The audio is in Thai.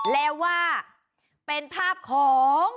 แล้วว่าเป็นภาพของ